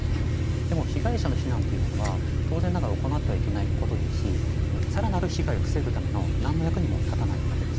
でも被害者の非難というものは当然ながら行ってはいけないことですしさらなる被害を防ぐための何の役にも立たないわけです。